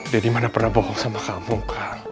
daddy mana pernah bohong sama kamu kan